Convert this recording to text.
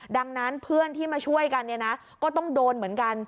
ดังนั้นเพื่อนที่มาช่วยกันเนี่ยนะก็ต้องโดนเหมือนกัน